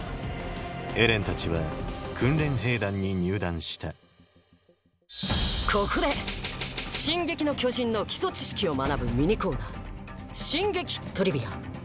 エレンたちは訓練兵団に入団したここで「進撃の巨人」の基礎知識を学ぶミニコーナー「進撃トリビア」！